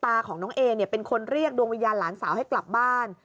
ตาของน้องเอเนี่ยเป็นคนเรียกดวงวิญญาณหลานสาวให้กลับบ้าน